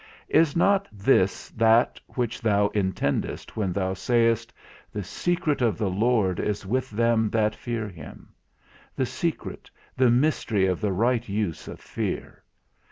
Is not this that which thou intendest when thou sayest, The secret of the Lord is with them that fear him; the secret, the mystery of the right use of fear.